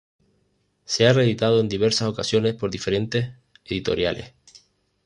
Se ha reeditado en diversas ocasiones por diferentes editoriales.